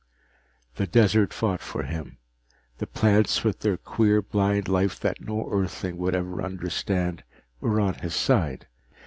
The desert fought for him; the plants with their queer blind life that no Earthling would ever understand were on his side.